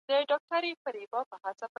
پخوا دولت امنيتي چارې پر غاړه لرلې.